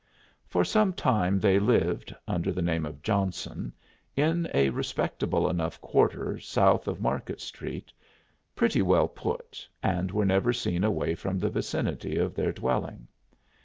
For some time they lived, under the name of Johnson, in a respectable enough quarter south of Market Street, pretty well put, and were never seen away from the vicinity of their dwelling.